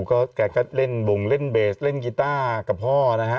ก็แกก็เล่นวงเล่นเบสเล่นกีต้ากับพ่อนะฮะ